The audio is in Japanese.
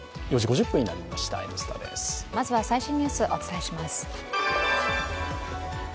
まずは最新ニュースお伝えします。